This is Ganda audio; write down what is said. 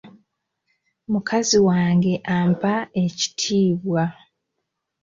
Mukazi wange ampa ekitiibwa.